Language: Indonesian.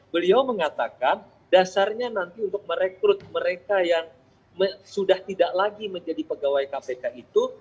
beliau mengatakan dasarnya nanti untuk merekrut mereka yang sudah tidak lagi menjadi pegawai kpk itu